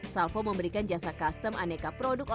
salvo memberikan jasa custom aneka produk online